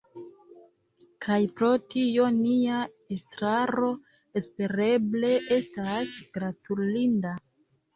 Kaj pro tio nia estraro espereble estas gratulinda.